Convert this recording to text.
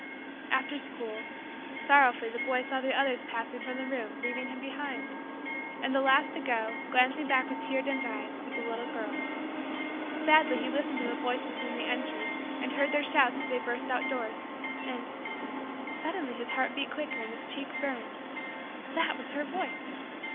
After school sorrowfully the boy saw the others passing from the room, leaving him behind. And the last to go, glancing back with tear dimmed eyes, was the little girl. Sadly he listened to the voices in the entry and heard their shouts as they burst out doors; and suddenly, his heart beat quicker and his cheeks burned that was her voice!